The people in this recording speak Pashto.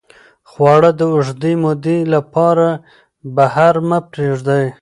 خواړه د اوږدې مودې لپاره بهر مه پرېږدئ.